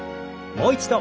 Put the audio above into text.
もう一度。